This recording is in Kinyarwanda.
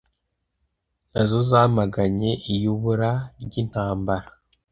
na zo zamaganye iyubura ry intambara